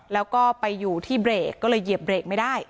แล้วก็ไปอยู่ที่เบรกก็เลยเหยียบเบรกไม่ได้